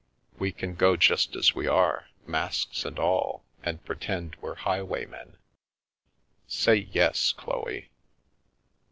We can go just as we are, masks and all, and pretend we're highwaymen. Say yes, Chloe